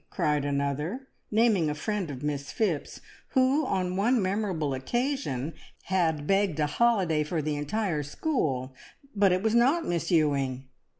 cried another, naming a friend of Miss Phipps, who on one memorable occasion had begged a holiday for the entire school; but it was not Miss Ewing.